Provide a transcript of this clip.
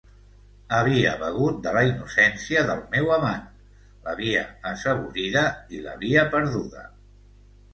Havia begut de la innocència del meu amant, l'havia assaborida i l'havia perduda.